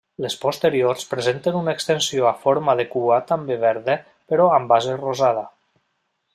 Les posteriors presenten una extensió a forma de cua també verda però amb base rosada.